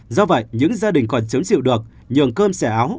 do vậy những gia đình còn chứng chịu được nhường cơm xẻ áo